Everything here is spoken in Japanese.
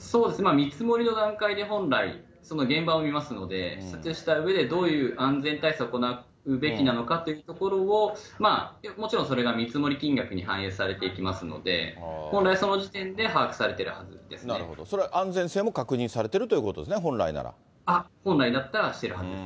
見積もりの段階で本来、その現場を見ますので、設営したうえでどういう安全対策を行うべきなのかというところを、もちろんそれが見積もり金額に反映されていきますので、本来、そそれは安全性も確認されてる本来だったらしてるはずです。